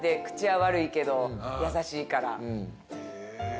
口は悪いけど優しいから。